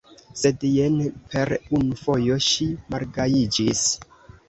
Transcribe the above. Sed jen per unu fojo ŝi malgajiĝis.